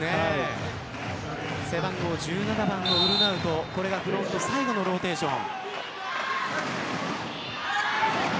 背番号１７番のウルナウトこれがフロント最後のローテーション。